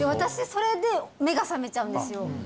それで目が覚めちゃうんですよ